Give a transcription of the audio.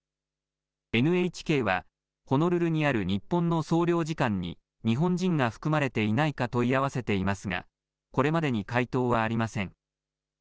ＮＨＫは、ホノルルにある日本の総領事館に日本人が含まれていないか問い合わせていますが、これまでに回答はありません。